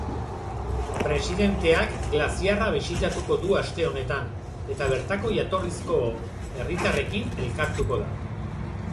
Presidenteak glaziarra bisitatuko du aste honetan, eta bertako jatorrizko herritarrekin elkartuko da.